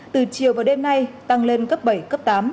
từ chiều và đêm nay tăng lên cấp bảy cấp tám